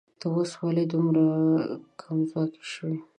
ته اوس ولې دومره کمځواکی شوې